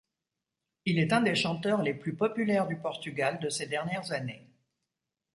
Il est un des chanteurs les plus populaires du Portugal de ces dernières années.